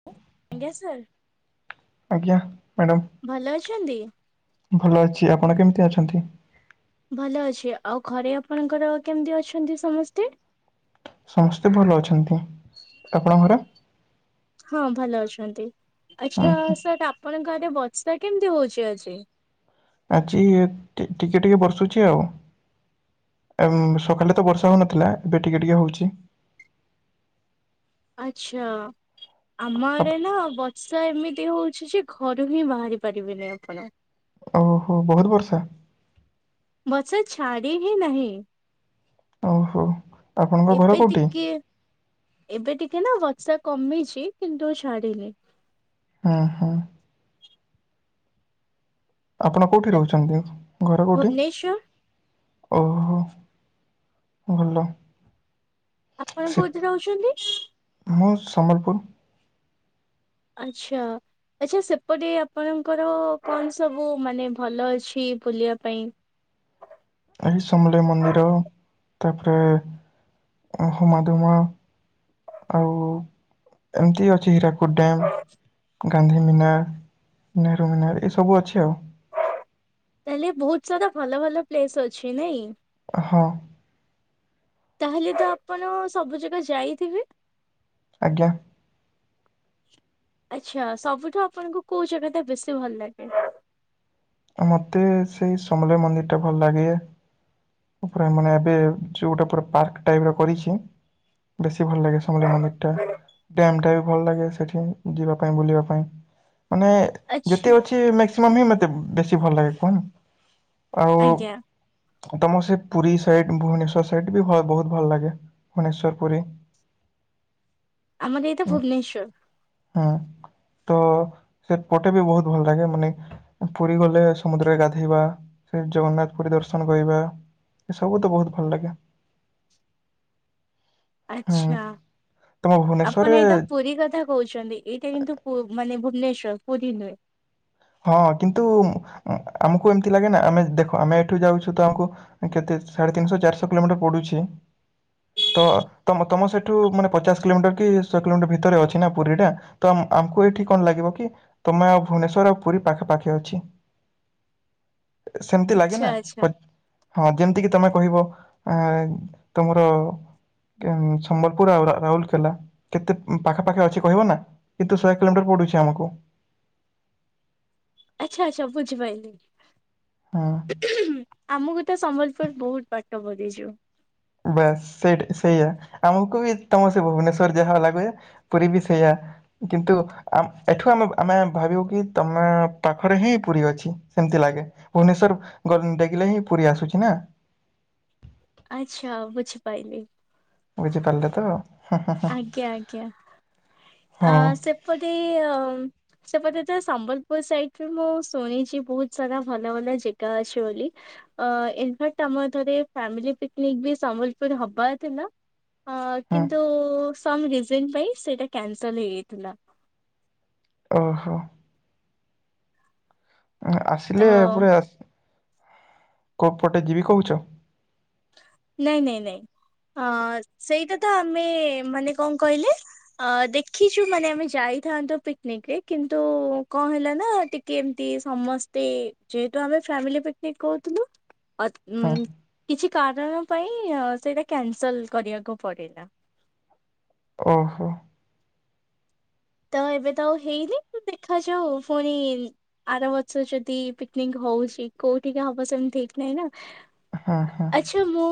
ହ [inaudible] ଆଜ୍ଞା ସାର୍। ଆଜ୍ଞା ମ୍ୟାଡ଼ାମ୍। ଭଲ ଅଛନ୍ତି? ଭଲ ଅଛି, ଆପଣ କେମିତି ଅଛନ୍ତି? ଭଲ ଅଛି, ଆଉ ଘରେ ଆପଣଙ୍କର କେମିତି ଅଛନ୍ତି ସମସ୍ତେ? ସମସ୍ତେ ଭଲ ଅଛନ୍ତି, ଆପଣଙ୍କ ଘରେ? ହଁ, ଭଲ ଅଛନ୍ତି, ଉଁ ଆଚ୍ଛା ହୁଁ ସାର୍ ଆପ୍ ଆପଣଙ୍କ ଆଡେ ବର୍ଷା କେମିତି ହଉଛି ଆଜି? ଆଜି ଟିକେ, ଟିକେ ବର୍ଷୁଛି ଆଉ। ଏମ ସକାଳେ ତ ବର୍ଷା ହଉନଥିଲା, ଏବେ ଟିକେ, ଟିକେ ହଉଛି। ଆଚ୍ଛା। ଆମ ଆଡେ ଆପ- ନା ବର୍ଷା ଏମିତି ହଉଛି ଯେ ଘରୁ ହିଁ ବାହାରି ପାରିବେନି ଆପଣ। ଓହୋଃ ବହୁତ ବର୍ଷା? ବର୍ଷା ଛାଡ଼ି ହିଁ ନାହିଁ। ଓହୋ ଆପଣଙ୍କ ଘର ଏବେ କୋଉଠି? ଟିକେ ଏବେ ଟିକେ ନା ବର୍ଷା କମିଛି କିନ୍ତୁ ଛାଡିନି। ଉଁ ହୁଁ। ଆପଣ କୋଉଠି ରହୁଛନ୍ତି ଘର କୋଉଠି? ଭୁବନେଶ୍ଵର ଓହୋ ଭଲ। ଆପଣ ସେ କୋଉଠି ରହୁଚନ୍ତି? ମୁଁ ସମ୍ବଲପୁର। ଆଛା। ଆଚ୍ଛା ସେପଟେ ଆପଣଙ୍କର କଣ ସବୁ ମାନେ ଭଲ ଅଛି ବୁଲିବା ପାଇଁ। ଆଗେ ସମଲେଇ ମନ୍ଦିର ତାପରେ ହୁମାଦୁମା। ଆଉ ଏମତି ଅଛି ହୀରା କୁଦ ଡ୍ୟାମ୍ ଗାନ୍ଧୀ ମିନାର, ନେହେରୁ ମିନାର, ଏସବୁ ଅଛି ଆଉ। ତାହେଲେ ବହୁତ ସାରା ଭଲ ଭଲ ପ୍ଲେସ ଅଛି ନାଇଁ। ହଁ। ତାହେଲେ ତ ଆପଣ ସବୁ ଜାଗା ଯାଇଥିବେ? ଆଜ୍ଞା। ଆଚ୍ଛା ସବୁଠୁ ଆପଣଙ୍କୁ କଉଜାଗାଟା ଆପଣଙ୍କୁ ବେଶୀ ଭଲ ଲାଗେ? ମତେ ସେଇ ସମଲେଇ ମନ୍ଦିର ଟା ଭଲ ଲାଗେ। ପୂରା ମାନେ ଏବେ ଯୋଉଟା ପୁରା ପାର୍କ ଟାଇପ ର କରିଛି ବେଶୀ ଭଲ ଲାଗେ ସମଲେଇ ମନ୍ଦିର ଟା। ଡ୍ୟାମ୍ ଟା ବି ଭଲ୍ ଲାଗେ ସେଠି ଯିବା ପାଇଁ ବୁଲିବା ପାଇଁ, ମାନେ ଆଚ୍ଛା। ଯେତେ ଅଛି ମ୍ୟାକ୍ସିମମ୍ ହିଁ ମତେ ବେଶୀ ଭଲ୍ ଲାଗେ [unintelligible] ଆଉ ଆଜ୍ଞା ତମର ସେ ପୁରୀ ସାଇଟ୍ ଭୁବନେଶ୍ଵର ସାଇଟ୍ ବି ବହୁତ୍ ଭଲ ଲାଗେ ଭୁବନେଶ୍ଵର ପୁରୀ। ଆମର ଏଇତା ଭୁବନେଶ୍ୱର୍। ଉଁ ତ ସେପଟେ ବି ବହୁତ୍ ଭଲ୍ ଲାଗେ ମାନେ ପୁରୀ ଗଲେ ସମୁଦ୍ରରେ ଗାଧେଇବା [unintelligible] ଜଗନ୍ନାଥ ପୁରୀ ଦର୍ଶନ କରିବା। ଏସବୁ ତ ବହୁତ୍ ଭଲ ଲାଗେ। ହୁଁ ଆଚ୍ଛା ତମ ଭୁବନେଶ୍ଵରରେ ଆପଣ ଏଇତା ପୁରୀ କଥା କହୁଚନ୍ତି ଏଇଟା କିନ୍ତୁ ପୁ ମାନେ ଭୁବନେଶ୍ଵର ପୁରୀ ନୁହେଁ। ହଁ କିନ୍ତୁ ଆମ୍କୁ ଏମ୍ତି ଲାଗେ ନା ଆମେ ଦେଖ ଆମେ ଏଠୁ ଯାଉଚୁ ତ ଆମକୁ କେତେ ସାଢ଼େ ତିନିଶହ ଚାରିଶହ କିଲୋମିଟର ପଡୁଛି ତ ତମ-ତମ ସେଠୁ ମାନେ ପଚାଶ କିଲୋମିଟର କି ଶହେ କିଲୋମିଟର ଭିତରେ ଅଛି ନା ପୁରୀଟା। ତ ଆମକୁ ଏଇଠି କଣ ଲାଗିବ କି ତମେ ଆଉ ଭୁବନେଶ୍ଵର ପୁରୀ ପାଖାପାଖି ଅଛି ସେମ୍ତି ଲାଗେ ଆଚ୍ଛା ନା ଆଚ୍ଛା [unintelligible] ହଁ ଯେମ୍ତି କିି ତମେ କହିବ ଆଁ ତମର ସମ୍ବଲପୁର ଆଉ ରାଉଲକେଲା କେତେ ପାଖାପାଖି ଅଛି କହିବ ନା? କିନ୍ତୁ ଶହେ କିଲୋମିଟର ପଡୁଚି ଆମକୁ। ଆଚ୍ଛା-ଆଚ୍ଛା ବୁଝିପାଇଲି। ହୁଁ। ଆମୁକୁ ତ ସମ୍ବଲପୁର ବହୁତ୍ ବାଟ ପଡିଯିବ। ବାସ୍ ସେଟା ସେଇଆ ଆମକୁ ବି ତମ ସେ ଭୁବନେଶ୍ଵର ଯାହା [unintelligible] ପୁରୀ ବି ସେଇଆ, କିନ୍ତୁ ଆମ୍ ଏଠୁ ଆମେ-ଆମେ ଭାବିବୁ କି ତମ ପାଖରେ ହିଁ ପୁରୀ ଅଛି ସେମ୍ତି ଲାଗେ। ଭୁବନେଶ୍ଵର [unintelligible] ହିଁ ପୁରୀ ଆସୁଚି ନା। ଆଚ୍ଛା ବୁଝିପାଇଲି। ବୁଝିପାରିଲେ ତ? ଆଜ୍ଞା-ଆଜ୍ଞା ହଁ ଆ ସେପଟେ ଅ ସେପଟେ ତ ସମ୍ବଲପୁର ସାଇଡ୍ ରେ ମୁଁ ଶୁଣିଛି ବହୁତ୍ ସାରା ଭଲ-ଭଲ ଯେଗା ଅଛି ବୋଲି। ଅ [unintelligible] ଆମର ଥରେ ଫ୍ୟାମିଲୀ ପିକନିକ୍ ବି ସମ୍ବଲପୁର ହବାର ଥିଲା ହଁ କିନ୍ତୁ [unintelligible] ପାଇଁ ସେଇଟା [unintelligible] ହେଇଯାଇଥିଲା। ଓହୋ। ହଁ ତ ଆସିଲେ ପରେ [unintelligible] କୋଉ ପଟେ ଯିବି କହୁଚ? ନାଇଁ-ନାଇଁ-ନାଇଁ ଅ ସେଇଟା ତ ଆମେ ମାନେ କଣ କହିଲେ ଅ ଦେଖିଚୁ ମାନେ ଆମେ ଯାଇଥାନ୍ତୁ ପିକନିକ୍ ରେ କିନ୍ତୁ କଣ ହେଲା ନା ଟି କି ଏମ୍ତି ସମସ୍ତେ ଯେହେତୁ ଆମେ ଫ୍ୟାମିଲି ପିକନିକ୍ କହୁଥିଲୁ ହଁ ଉଁ କିଛି କାରଣ ପାଇଁ ସେଇଟା କ୍ୟାନସଲ୍ କରିବାକୁ ପଡ଼ିଲା। ଓହୋ। ତ ଏବେ ତ ଆଉ ହେଇନି ଦେଖାଯାଉ ଫୁଣି ଆରବର୍ଷ ଯଦି ପିକନିକ୍ ହଉଚି କୋଉଠିକି ହବ ସେମ୍ତି ଠିକ୍ ନାହିଁ ନା। ହଁ-ହଁ। ଆଚ୍ଛା ମୁଁ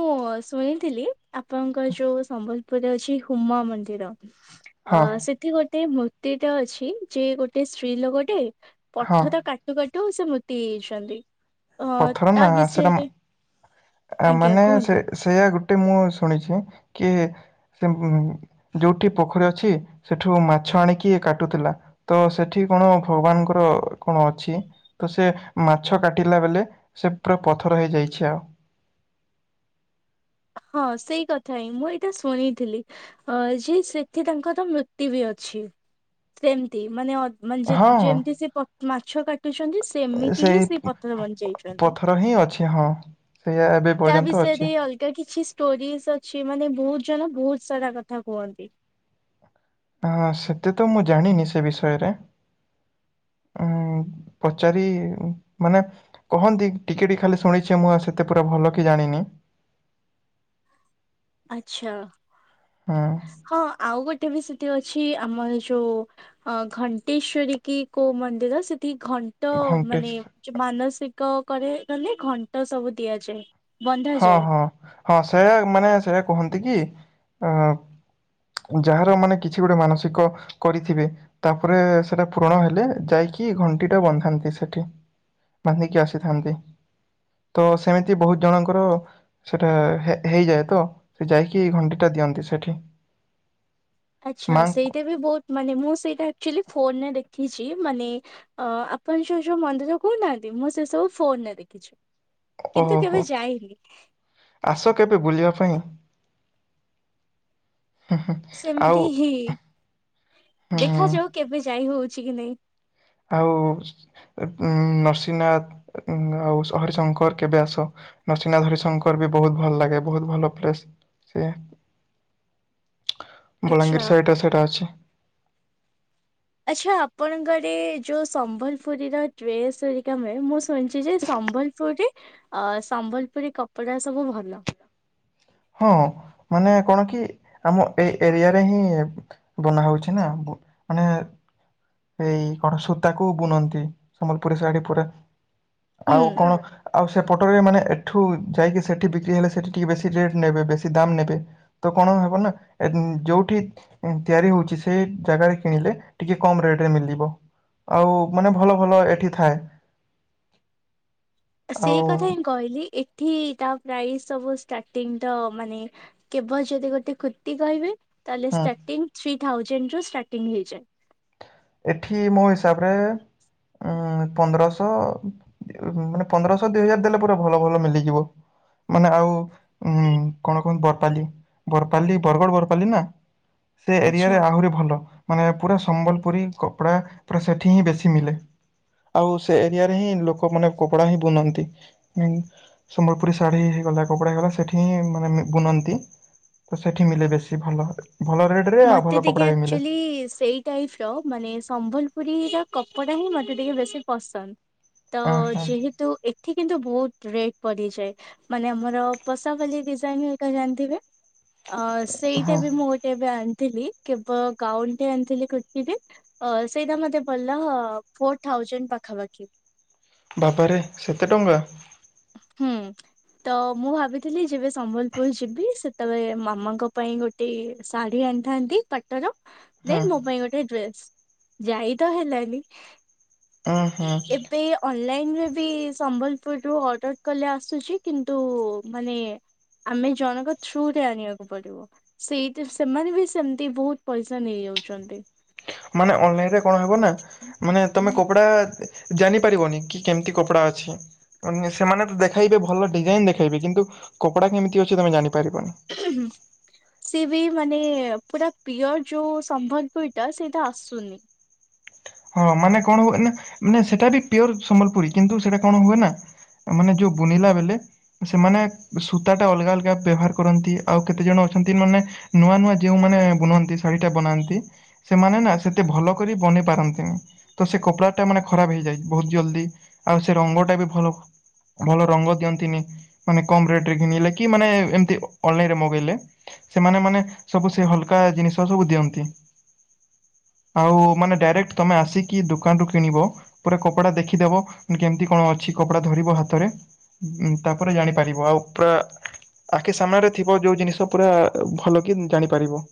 ଶୁଣିଥିଲି ଆପଣଙ୍କ ଯୋଉ ସମ୍ବଲପୁରରେ ଅଛି ହୁମ ମନ୍ଦିର। ଅ ହଁ ସେଠି ଗୋଟେ ମୂର୍ତ୍ତିଟେ ଅଛି, ଯେ ଗୋଟେ ସ୍ତ୍ରୀ ଲୋକଟେ ହଁ [unintelligible] କାଟୁ-କାଟୁ ସେ ମୂର୍ତ୍ତି ହେଇଯାଇଛନ୍ତି। ଅ ପଥର ନା ତା ସେଇଟା ବିଷୟରେ ଆ ଆଜ୍ଞା ମାନେ ସେ କୁହନ୍ତୁ। ସେଇୟା ଗୋଟେ ମୁଁ ଶୁଣିଛି କି ସେ ଯୋଉଠି ପୋଖରୀ ଅଛି ସେଠୁ ମାଛ ଆଣିକି କାଟୁଥିଲା। ତ ସେଠି କଣ ଭଗବାନଙ୍କର କଣ ଅଛି ତ ସେ ମାଛ କାଟିଲା ବେଲେ ସେ ପୁରା ପଥର ହେଇଯାଇଛି ଆଉ। ହଁ ସେଇ କଥା ହିଁ। ମୁଁ ଏଇଟା ଶୁଣିଥିଲି। ଅ ଯେ ସେଠି ତାଙ୍କର ତ ମୃତ୍ୟୁ ବି ଅଛି ସେମତି ମାନେ ଅ ମାନେ ଯେ ହଁ ହଁ ଯେମିତି ସେ ପ ମାଛ କାଟି କାଟୁଛନ୍ତି ସେମିତି ହିଁ ସେଇ ସେ ପଥର ବଞ୍ଚେଇଛନ୍ତି। ପଥର ହିଁ ଅଛି ହଁ। ସେଇଆ ଏବେ ତା ପର୍ଯ୍ୟନ୍ତ ବିଷୟରେ ଅଛି। [unintelligible] କିଛି ଷ୍ଟୋରିଜ ଅଛି ମାନେ ବହୁତ ଜଣ ବହୁତ ସାରା କଥା କୁହନ୍ତି। ହଁ ସେତେ ତ ମୁଁ ଜାଣିନି ସେ ବିଷୟରେ। ଉଁ ପଚାରି ମାନେ କହନ୍ତି ଟିକେ ଟିକେ ଖାଲି ଶୁଣିଛି ମୁଁ ଆଉ ସେତେ ପୁରା ଭଲ କି ଜାଣିନି। ଆଚ୍ଛା। ହୁଁ। ହଁ ଆଉ ଗୋଟେ ବି ସେଠି ଅଛି ଆମ ଯୋଉ ଅ ଘଣ୍ଟେଶ୍ଵରୀ କି କୋଉ ମନ୍ଦିର ସେଠି ଘ ତ ଘଣ୍ଟେଶ ମାନେ ମାନସିକ କରେ ମାନେ ଘଣ୍ଟ ସବୁ ଦିଆଯାଏ। ବନ୍ଧାଯାଏ। [unintelligible] ଯାହାର ମାନେ କିଛି ଗୋଟେ ମାନସିକ କରିଥିବେ। ତାପରେ ସେଟା ପୂରଣ ହେଲେ ଯାଇକି ଘଣ୍ଟିଟା ବନ୍ଧାନ୍ତି ସେଇଠି। ବାନ୍ଧିକି ଆସିଥାନ୍ତି ତ ସେମିତି ବହୁତ ଜଣକ କର ସେଇଟା ହେଇଯାଏ ତ ସେ ଯାଇକି ଘଣ୍ଟିଟା ଦିଅନ୍ତି ସେଠି। ଆଚ୍ଛା ମାଙ୍କ ସେଇଟା ବି ବହୁତ ମାନେ ମୁଁ ସେଇଟା ଆକଚୁଆଲି ଫୋନରେ ଦେଖିଛି ମାନେ ଅ ଆପଣଯୋଉ ଯୋଉ ମନ୍ଦିର କହୁନାହାନ୍ତି ମୁଁ ସେ ସବୁ ଫୋନରେ ଦେଖିଛି। କିନ୍ତୁ ଓହୋ କେବେ ଯାଇନି। ଆସ କେବେ ବୁଲିବା ପାଇଁ। ହୁଁ ହୁଁ ଆଉ ସେମିତି ହି ହୁଁ। ଦେଖାଯାଉ କେବେ ଯାଇ ହଉଛି କି ନାଇଁ। ଆଉ ଉ ନରସିଂନାଥ ଆଉ ହରିଶଙ୍କର କେବେ ଆସ। ନରସିଂନାଥ ହରିଶଙ୍କର ବି ବହୁତ ଭଲ ଲାଗେ ବହୁତ ଭଲ ପ୍ଲେସ ସିଏ। ଆଚ୍ଛା ବଲାଙ୍ଗୀର ସାଇଡ଼ଟା ସେଟା ଅଛି। ଆଚ୍ଛା ଆପଣଙ୍କ ଆଡେ ଯୋଉ ସମ୍ବଲପୁରୀର ଡ୍ରେସ୍ ହେରିକା ମିଳେ। ମୁଁ ଶୁଣିଛି ଯେ ସମ୍ବଲ କୋଉଠି? ଅ ସମ୍ବଲପୁରୀ କପଡା ସବୁ ଭଲ। ହଁ ମାନେ କଣ କି ଆମ ଏଇ ଏରିଆରେ ହିଁ। ବନାହଉଛି ନା ମାନେ। ଏଇ କଣ ସୂତାକୁ [unintelligible] ସମ୍ବଲପୁରୀ ସାଡି ପୁରା। ହୁଁ ଆଉ କଣ ଆଉ ସେପଟ ରେ ମାନେ ଏଠୁ ଯାଇକି ସେଠି ବିକ୍ରି ହେଲେ ସେଠି ଟିକେ ବେଶୀ ରେଟ୍ ନେବେ ବେଶୀ ଦାମ୍ ନେବେ। ତ କଣ ହେବ ନା ଯୋଉଠି ତିଆରି ହଉଛି ସେ ଜାଗାରେ କିଣିଲେ ଟିକେ କମ୍ ରେଟ୍ ମିିଲିବ। ଆଉ ମାନେ ଭଲ ଭଲ ଏଠି ଥାଏ। [unintelligible] ଆଉ କେବଳ ଯଦି ଗୋଟେ କୁର୍ତ୍ତୀ କହିବେ ତାହେଲେ ହୁଁ ଷ୍ଟାର୍ଟିଂ ଥ୍ରି ଥାଉଜେଣ୍ଡ ରୁ ଷ୍ଟାର୍ଟିଂ ହେଇଯାଏ। ଏଠି ମୋ ହିସାବରେ ଉଁ ପନ୍ଦରଶହ ମାନେ ପନ୍ଦରଶହ ଦି ହଜାରେ ଦେଲେ ପୁରା ଭଲ ଭଲ ମିଲିଯିବ। ମାନେ ଆଉ ଉଁ କଣ କୁହନ୍ତି ବରପାଲି। ବରପାଲି ବରଗଡ଼ ବରପାଲି ନା? ସେ ଏରିଆରେ ଆଚ୍ଛା ଆହୁରି ଭଲ ମାନେ ପୁରା ସମ୍ବଲପୁରୀ କପଡା ପୁରା ସେଠି ହିଁ ବେଶୀ ମିଲେ। ଆଉ ସେ ଏରିଆରେ ହିଁ ଲୋକମାନେ କପଡା ହିଁ ବୁନନ୍ତି। ସମ୍ବଲପୁରୀ ଶାଢ଼ୀ ହେଇଗଲା କପଡ଼ା ହେଇଗଲା ସେଇଠି ହିଁ ମାନେ ବୁନନ୍ତି। ତ ସେଠି ମିଲେ ବେଶୀ ଭଲ, ଭଲ ରେଟ୍ ରେ ଆଉ ଭଲ କପଡା ବି ମିଲେ। କି ସେଇ ଟାଇପ୍ ର ମାନେ ସମ୍ବଲପୁରୀର କପଡା ହିଁ ମତେ ଟିକେ ବେଶୀ ପସନ୍ଦ। ତ ଅଁ ହଁ ଯେହେତୁ ଏ ଏଠି କିନ୍ତୁ ବହୁତ ରେଟ୍ ପଡିଯାଏ। ମାନେ ଆମର ପଷାପାଲି ଡିଜାଇନ୍ ହେରିକା ଜାଣିଥିବେ? ଅ ସେଇଟା ହଁ ବି ମୁଁ ଗୋଟେ ଏବେ ଆଣିଥିଲି କେବଳ ଗାଉନ୍ ଟେ ଆଣିଥିଲି କୁର୍ତ୍ତି ଟେ ଅ ସେଇଟା ମତେ ପଡ଼ିଲା ଫୋର୍ ଥାଉଜେଣ୍ଡ ପାଖାପାଖି। ବାବାରେ ସେତେ ଟଙ୍କା? ହୁଁ ତ ମୁଁ ଭାବିଥିଲି ଯେବେ ସମ୍ବଲପୁର ଯିବି ସେତେବେଳେ ମାମାଙ୍କ ପାଇଁ ଗୋଟ୍ ଟେ ଶାଢ଼ୀ ଆଣିଥାନ୍ତି ପାଟ ର। ହଁ ଦେନ୍ ମୋ ପାଇଁ ଗୋଟେ ଡ୍ରେସ୍ ଯାଇ ତ ହେଲାନି। ଉଁ ହୁଁ। ଏବେ ଅନଲାଇନିରେ ବି ସମ୍ବଲପୁରରୁ ଅର୍ଡର କଲେ ଆସୁଚି କିନ୍ତୁ ମାନେ ଆମେ ଜଣଙ୍କ ଥ୍ରୁ ରେ ଆଣିଆକୁ ପଡିବ। ସେଇଥିରୁ ସେମାନେ ବି ସେମିତି ବହୁତ୍ ପଇଷା ଇଯାଉଚନ୍ତି। ମାନେ ଅନ୍ ଲାଇନିରେ କଣ ହବ ନା ମାନେ ତମେ କପଡ଼ା ଜାନିପାରିବନି କି କେମିତି କପଡ଼ା ଅଛି। ସେମାନେ ତ ଦେଖେଇବେ ଭଲ ଡିଜାଇନ୍ ଦେଖେଇବେ କିନ୍ତୁ କପଡ଼ା କେମିତି ଅଛି ତମେ ଜାନିପାରିବନି। ଏବ ସିଏ ବି ମାନେ ପୁରା ପିୟର ଯୋଉ ସମ୍ବଲପୁରୀ ଟା ସେଇଟା ଆସୁନି। ହଁ ମାନେ କଣ ହୁଏ ନା ମାନେ ସେଟା ବି ପିୟର୍ ସମ୍ବଲପୁରୀ କିନ୍ତୁ ସେଟା କଣ ହୁଏ ନା? ମାନେ ଯୋଉ ବୁନିଲା ବେଲେ ସେମାନେ ସୂତାଟା ଅଲଗା ଅଲଗା ବ୍ୟବହାର କରନ୍ତି ଆଉ କେତେଜଣ ଅଛନ୍ତି ମାନେ ନୂଆ ନୂଆ ଯେଉଁମାନେ ବୁନନ୍ତି ଶାଢୀଟା ବନାନ୍ତି ସେମାନେ ନା ସେତେ ଭଲ କରି ବନେଇ ପାରନ୍ତିନି। ତ ସେ କପଡା ଟା ମାନେ ଖରାପ ହେଇଯାଏ ବହୁତ୍ ଜଲ୍ଦି ଆଉ ସେ ରଙ୍ଗଟା ବି ଭଲ ଭଲ ରଙ୍ଗ ଦିଅନ୍ତିନି ମାନେ କମ୍ ରେଟରେ କିଣିଲେ କି ମାନେ ଏମିତି ଅନଲାଇନିରେ ମଗେଇଲେ। ସେମାନେ ମାନେ ସବୁ ସେ ହାଲ୍କା ଜିନିଷ ସବୁ ଦିଅନ୍ତି। ଆଉ ମାନେ ଡାଇରେକ୍ଟ ତମେ ଆସିକି ଦୋକାନ ରୁ କିଣିବ। ପୁରା କପଡା ଦେଖିଦବ କେମିତି କଣ ଅଛି କପଡା ଧରିବ ହାତରେ। ତାପରେ ଜାଣିପାରିବ ଆଉ ପୁରା ଆଖି ସାମ୍ନାରେ ଥିବ ଯୋଉ ଜିନିଷ ପୁରା ଭଲ କି ଜାଣିପାରିବ।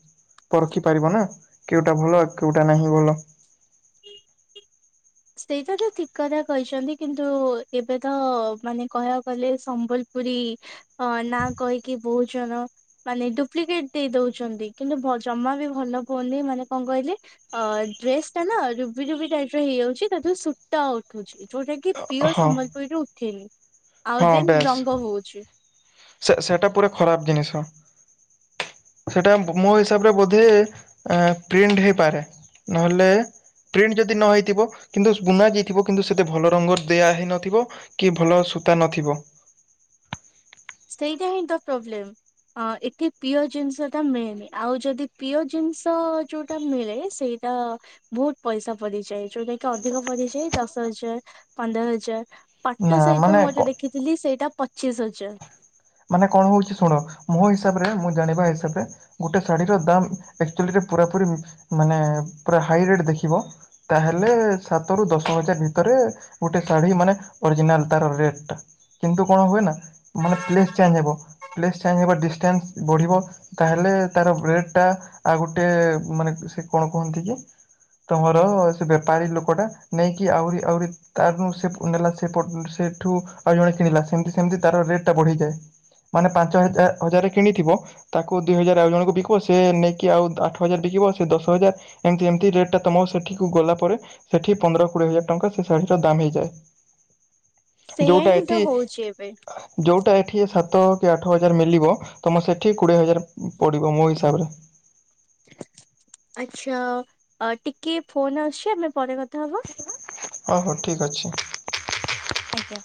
ପରଖି ପାରିବ ନା କେଉଟା ଭଲ କେଉଟା ନାହିଁ ଭଲ। ସେଇଟା ତ ଠିକ୍ କଥା କହିଚନ୍ତି କିନ୍ତୁ ଏବେ ତ ମାନେ କହିଆକୁ ଗଲେ ସମ୍ବଲ୍ ପୁରୀ ଅ ନାଁ କହିକି ବହୁ ଜଣ ମାନେ ଡୁପ୍ଲିକେଟ୍ ଦେଇ ଦଉଚନ୍ତି କିନ୍ତୁ ଜମା ବି ଭଲ ପଡୁନି ମାନେ କଁ କହିଲେ? ଅ ଡ୍ରେସ୍ ଟା ନା ରୁବି ରୁବି ଟାଇପିର ହେଇଯାଉଚି। ଚି ତାଦିହରୁ ସୁତା ଉଠୁଚି ଯୋଉଟା କି ପିୟର୍ ହଁ ସମ୍ବଲପୁରୀରେ ଉଠେନି। ଆଉ ହଁ ଦେନ୍ ବେସ୍। ରଙ୍ଗ ହଉଛି [unintelligible] ସେ ସେଇଟା ପୁରା ଖରାପ ଜିନିଷ। ସେଟା ମୋ ହିସାବରେ ବୋଧେ ଏ ପ୍ରିଣ୍ଟ ହେଇପାରେ? ନହେଲେ ପ୍ରିଣ୍ଟ ଯଦି ନ ହେଇଥିବ, କିନ୍ତୁ ବୁଣା ଯାଇଥିବ, କିନ୍ତୁ ସେତେ ଭଲ ରଙ୍ଗ ଦିଆହେଇନଥିବ କି ଭଲ ସୂତା ନଥିବ। ସେଇଟା ହିଁ ତ ପ୍ରୋବ୍ଲେମ। ହଁ, ଏଠି ପିଓ ଜିନିଷ ଟା ମିଳେନି। ଆଉ ଯଦି ପିଓ ଜିନିଷ ଯୋଉଟା ମିଳେ, ସେଇ ତ ବହୁତ ପଇସା ପଡ଼ିଯାଏ। ଯୋଉଟାକି ଅଧିକ ପଡ଼ିଯାଏ। ଦଶ ହଜାର, ପନ୍ଦର ହଜାର, ନା ପାଟ ସହିତ ମାନେ ମୁଁ କ ଏବେ ଦେଖ ଦେଖିଥିଲି, ସେଇଟା ପଚିଶ୍ ହଜାର। ମାନେ କଣ ହଉଛି ଶୁଣ? ମୋ ହିସାବ ରେ, ମୁଁ ଜାଣିବା ହିସାବରେ ଗୋଟେ ଶାଢୀର ଦାମ୍ ଆଚୁଆଲି ରେ ପୁରାପୁରି ମାନେ ପୁରା ହାଇରେଟ ଦେଖିବ? ତାହେଲେ ସାତରୁ, ଦଶ ହଜାର ଭିତରେ ଗୋଟେ ଶାଢୀ ମାନେ ଅରିଜିନାଲ ତାର ରେଟ ଟା। କିନ୍ତୁ କଣ ହୁଏ ନା ମାନେ ପ୍ଲେସ୍ ଚେଞ୍ଜ ହେବ, ପ୍ଲେସ୍ ଚେଞ୍ଜ ହେବ, ଡିଷ୍ଟାନ୍ସ ବଢ଼ିବ, ତାହେଲେ ତାର ବ୍ରେଡ ଟା, ଆଉ ଗୋଟେ ମାନେ ସେ କଣ କୁହନ୍ତି କି ତମର ସେ ବେପାରୀ ଲୋକ ଟା ନେଇକି ଆହୁରି ଆହୁରି ତ ସେ ନେ ସେ [unintelligible] ସେଠୁ ଆଉ ଜଣେ କିଣିଲା, ସେମିତି ସେମିତି ତାର ରେଟ୍ ଟା ବଢିଯାଏ। ମାନେ ପାଞ୍ଚ ହଜାର ହଜାର କିଣିଥିବ ତାକୁ ଦୁଇ ହଜାର ଆଉ ଜଣଙ୍କୁ ବିକିବ, ସେ ନେଇକି ଆଉ ଆଠ ହଜାର ବିକିବ, ସେ ଦଶ ହଜାର ଏମିତି ଏମିତି ରେଟ ଟା ତମ ସେଠିକୁ ଗଲା ପରେ, ସେଠି ପନ୍ଦର କୋଡିଏ ହଜାର ଟଙ୍କା ସେ ଶାଢୀ ର ଦାମ ହେଇଯାଏ। ସେଇଆ ଯୋଉଟା ହିଁ ତ ଏଠି ହଉଛି ଏବେ। ଯୋଉଟା ଏଠି ସାତ କି ଆଠ ହଜାର ମିଳିବ, ତମ ସେଠି କୋଡ଼ିଏ ହଜାର ପଡ଼ିବ ମୋ ହିସାବରେ। ଆଚ୍ଛା। ଟିକେ ଫୋନ ଆସୁଛି, ଆମେ ପରେ କଥା ହବା? ହଉ, ହଉ, ଠିକ୍ ଅଛି। ଆଜ୍ଞା।